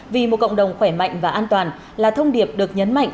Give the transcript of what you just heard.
vì một cộng đồng khỏe mạnh và an toàn là thông điệp được nhấn mạnh